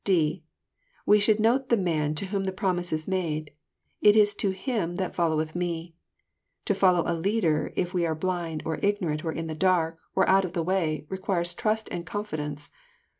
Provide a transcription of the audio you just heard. (d) We should note the man to whom the promise is made. It is to him " that folio weth Me." To follow a leader if we are blind, or ignorant, or in the dark, or out of the way, requires trust and confidence.